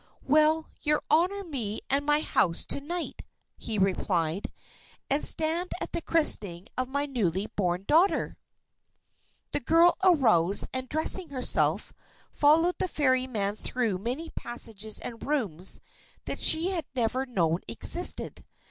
"Will you honour me and my house, to night," he replied, "and stand at the christening of my newly born daughter?" The girl arose and dressing herself, followed the Fairy man through many passages and rooms that she had never known existed.